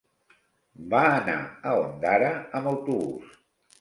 Va anar a Ondara amb autobús.